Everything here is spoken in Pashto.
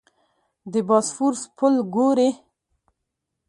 د باسفورس پل ګورې.